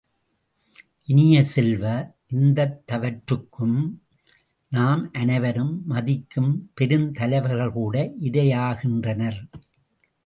இனிய செல்வ, இந்தத் தவற்றுக்கு நாம் அனைவரும் மதிக்கும் பெருந்தலைவர்கள் கூட இரையாகின்றனர்.